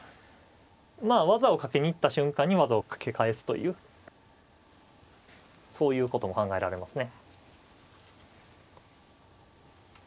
技をかけに行った瞬間に技をかけ返すというそういうことも考えられますね。